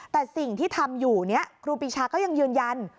แต่สิ่งที่ทำอยู่นี้ครูปีชาก็ยังยืนยัน